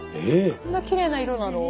こんなきれいな色なの？